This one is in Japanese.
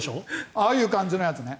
ああいう感じのやつね。